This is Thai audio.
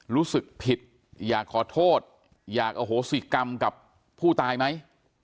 รู้สึกผิดอยากขอโทษอยากอโหสิกรรมกับผู้ตายไหม